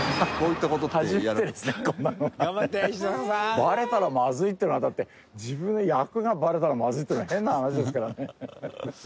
バレたらまずいってのはだって自分の役がバレたらまずいっていうのは変な話ですからね。